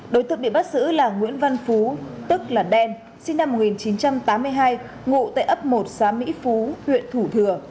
đối tượng bị bắt giữ là nguyễn văn phú tức là đen sinh năm một nghìn chín trăm tám mươi hai ngụ tại ấp một xã mỹ phú huyện thủ thừa